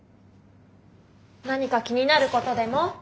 何か気になることでも？